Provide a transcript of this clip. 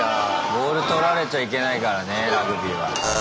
ボールとられちゃいけないからねラグビーは。